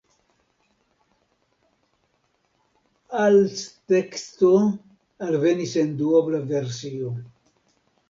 Als teksto alvenis en duobla versio.